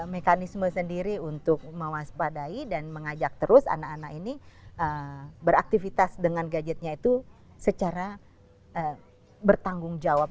mekanisme sendiri untuk mewaspadai dan mengajak terus anak anak ini beraktivitas dengan gadgetnya itu secara bertanggung jawab